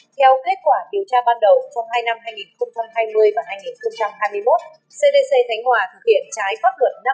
theo kết quả điều tra ban đầu trong hai năm hai nghìn hai mươi và hai nghìn hai mươi một cdc khánh hòa thực hiện trái pháp luận